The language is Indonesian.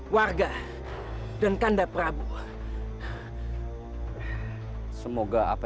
para baldak untuk menerima penyembahannya